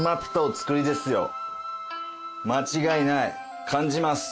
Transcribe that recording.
間違いない感じます。